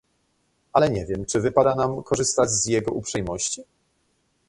"Ale nie wiem, czy... wypada nam korzystać z jego uprzejmości?..."